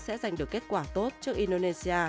sẽ giành được kết quả tốt trước indonesia